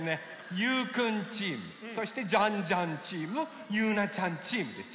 ゆうくんチームそしてジャンジャンチームゆうなちゃんチームですよ。